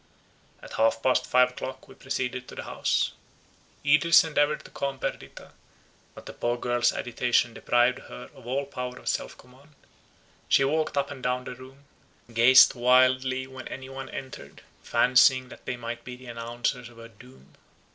At half past five o'clock we proceeded to the House. Idris endeavoured to calm Perdita; but the poor girl's agitation deprived her of all power of self command. She walked up and down the room,—gazed wildly when any one entered, fancying that they might be the announcers of her doom.